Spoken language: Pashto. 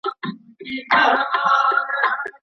ولي خلګ د ولور په ادا کولو کې ناغېړي کوي؟